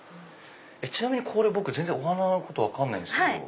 ちなみに僕全然お花のこと分かんないんですけど。